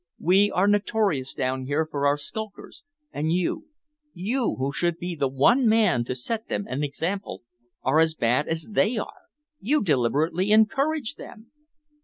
We are notorious down here for our skulkers, and you you who should be the one man to set them an example, are as bad as they are. You deliberately encourage them."